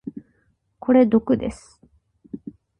これ毒です。